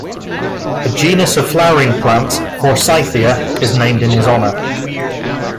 A genus of flowering plants, "Forsythia", is named in his honor.